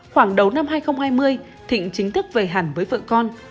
khoảng đầu năm hai nghìn hai mươi thịnh chính thức về hẳn với vợ con